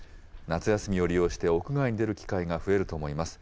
夏休みを利用して屋外に出る機会が増えると思います。